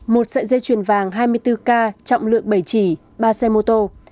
hai mươi bốn k trọng lượng bảy chỉ ba xe mô tô